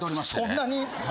そんなに！？